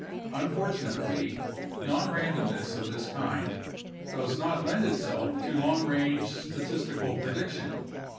Unfortunately, nonrandomness of this kind does not lend itself to long range statistical prediction.